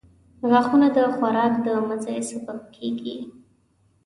• غاښونه د خوراک د مزې سبب کیږي.